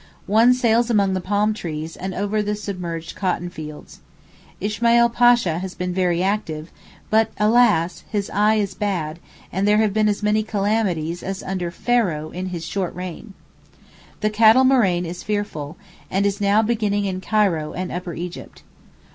One sails among the palm trees and over the submerged cotton fields. Ismail Pasha has been very active, but, alas! his 'eye is bad,' and there have been as many calamities as under Pharaoh in his short reign. The cattle murrain is fearful, and is now beginning in Cairo and Upper Egypt.